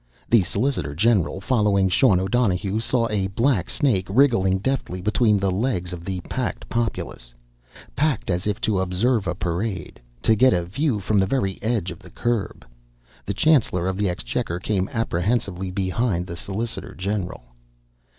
The solicitor general, following Sean O'Donohue, saw a black snake wriggling deftly between the legs of the packed populace packed as if to observe a parade to get a view from the very edge of the curb. The Chancellor of the Exchequer came apprehensively behind the solicitor general.